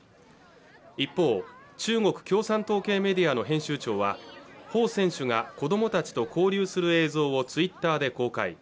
一方中国共産党系メディアの編集長は彭選手が子どもたちと交流する映像をツイッターで公開